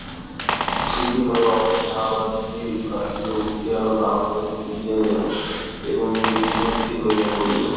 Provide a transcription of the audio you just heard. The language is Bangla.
বিপিন ও রমেশ আবার সেই গাড়িতে উঠিয়া বাংলায় ফিরিয়া গেল এবং বিষনকে লইয়া পড়িল।